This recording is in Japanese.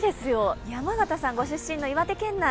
山形さんご出身の岩手県内。